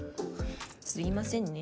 すいませんね。